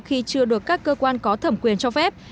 khi chưa được các cơ quan có thẩm quyền cho phép